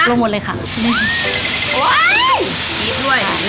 ลงหมดเลยค่ะ